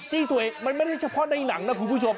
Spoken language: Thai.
ตัวเองมันไม่ได้เฉพาะในหนังนะคุณผู้ชม